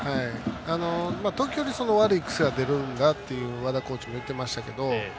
時折、悪い癖が出るって和田コーチが言ってましたけど。